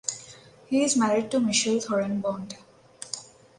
He is married to Michele Thoren Bond.